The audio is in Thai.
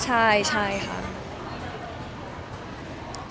อยากกลับมาทำงานเริ่มเกิดที่เกิด